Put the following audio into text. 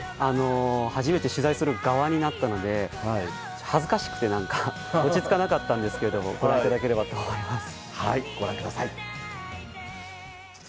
初めて取材する側になったので恥ずかしくて落ち着かなったんですがご覧いただければと思います。